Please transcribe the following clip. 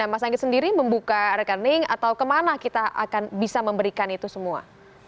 mas anggi sendiri membuka rekening atau kemana kita akan bisa memberikan itu semua